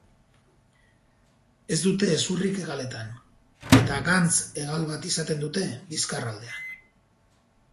Ez dute hezurrik hegaletan, eta gantz-hegal bat izaten dute bizkarraldean.